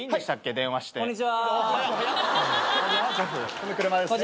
この車ですね。